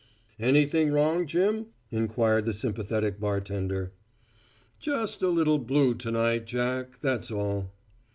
"Anything wrong, Jim?" inquired the sympathetic bartender. "Just a little blue to night, Jack, that's all."